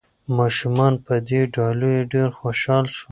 ماشومان په دې ډالیو ډېر خوشاله شول.